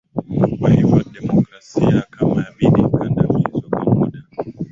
kwa hivyo demoskrasia kama yabidi ikadamizwe kwa muda